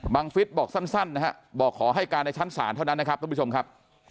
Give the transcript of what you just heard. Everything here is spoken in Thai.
ฟิศบอกสั้นนะฮะบอกขอให้การในชั้นศาลเท่านั้นนะครับท่านผู้ชมครับ